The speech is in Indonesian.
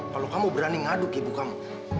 kalau kamu berani ngaduk ibu kamu